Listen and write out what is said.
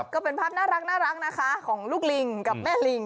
ก็เป็นภาพน่ารักนะคะของลูกลิงกับแม่ลิง